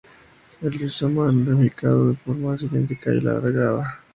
El rizoma es ramificado, de forma cilíndrica y alargada.